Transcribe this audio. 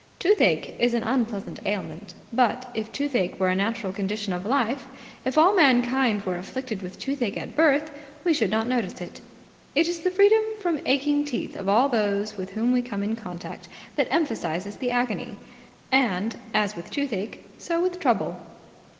Toothache is an unpleasant ailment; but, if toothache were a natural condition of life, if all mankind were afflicted with toothache at birth, we should not notice it. It is the freedom from aching teeth of all those with whom we come in contact that emphasizes the agony. And, as with toothache, so with trouble.